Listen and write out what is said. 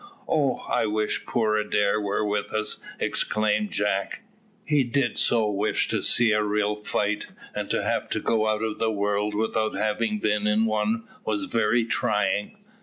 "Oh, I wish poor Adair were with us," exclaimed Jack. "He did so wish to see a real fight; and to have to go out of the world without having been in one was very trying."